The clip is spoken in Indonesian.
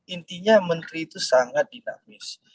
intinya menteri itu sangat dinamis